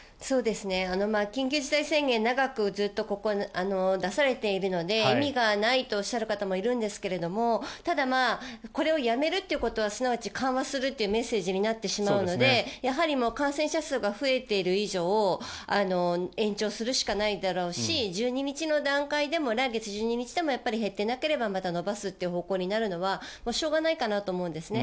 緊急事態宣言長くずっと出されているので意味がないとおっしゃる方もいるんですけれどもただ、これをやめるということはすなわち緩和するというメッセージになってしまうのでやはり感染者数が増えている以上延長するしかないだろうし来月１２日の段階でも減っていなければまた延ばすという方向になるのはしょうがないかなと思うんですね。